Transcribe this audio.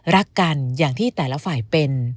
รักกันอย่างที่แต่ละฝ่ายเป็น